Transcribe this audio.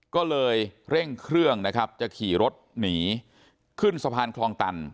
ก็เลยเร่งเครื่องนะครับจะขี่รถหนีขึ้นสะพานคลองตัน